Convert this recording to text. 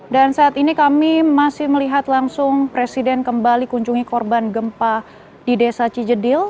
dan saat ini kami masih melihat langsung presiden kembali kunjungi korban gempa di desa cijedil